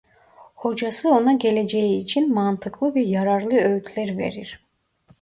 Hocası ona geleceği için mantıklı ve yararlı öğütler verir.